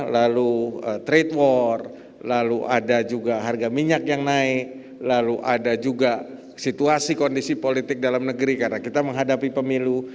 lalu trade war lalu ada juga harga minyak yang naik lalu ada juga situasi kondisi politik dalam negeri karena kita menghadapi pemilu